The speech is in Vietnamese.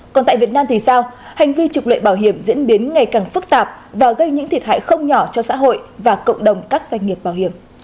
còn tại việt nam thì sao hành vi trục lợi bảo hiểm diễn biến ngày càng phức tạp và gây những thiệt hại không nhỏ cho xã hội và cộng đồng các doanh nghiệp bảo hiểm